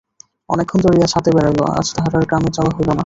অনেকক্ষণ ধরিয়া ছাতে বেড়াইল, আজ তাহার আর গ্রামে যাওয়া হইল না।